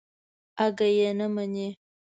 اگه يې نه مني.